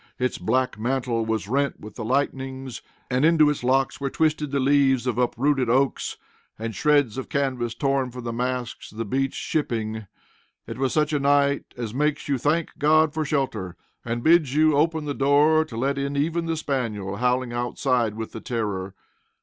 Its black mantle was rent with the lightnings, and into its locks were twisted the leaves of uprooted oaks, and shreds of canvas torn from the masts of the beached shipping. It was such a night as makes you thank God for shelter, and bids you open the door to let in even the spaniel howling outside with the terror.